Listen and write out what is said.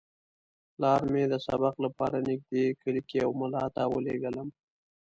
پلار مې د سبق لپاره نږدې کلي کې یوه ملا ته ولېږلم.